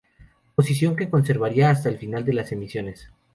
Posición que conservaría hasta el fin de las emisiones.